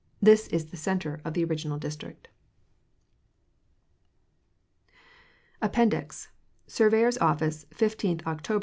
This is the center of the original District. APPENDIX. Surveyor's Orricr, 15th Octr.